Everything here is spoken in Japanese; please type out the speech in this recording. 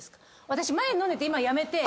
私前飲んでて今やめて。